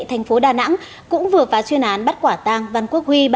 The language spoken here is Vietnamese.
thành phố đà nẵng cũng vừa phá chuyên án bắt quả tăng văn quốc huy